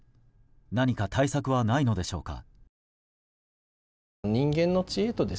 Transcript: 何か対策はないのでしょうか。